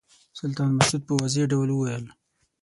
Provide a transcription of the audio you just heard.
سلطان مسعود په واضح ډول وویل.